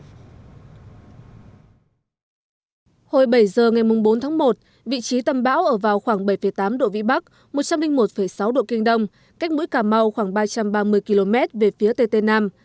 hồi bảy giờ ngày bốn tháng một vị trí tâm bão ở vào khoảng bảy tám độ vĩ bắc một trăm linh một sáu độ kinh đông cách mũi cà mau khoảng ba trăm ba mươi km về phía tây tây nam